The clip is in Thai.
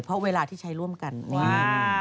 เพราะเวลาที่ใช้ร่วมกันนี่